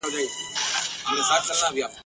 زوړ پیمان تازه کومه یارانې چي هېر مي نه کې !.